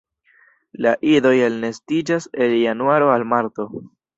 La idoj elnestiĝas el januaro al marto.